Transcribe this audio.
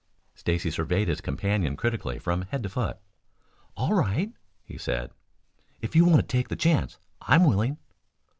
Stacy surveyed his companion critically from head to foot. "All right," he said. "If you want to take the chance, I'm willing."